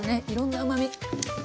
いろんなうまみ。